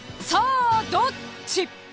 さあどっち？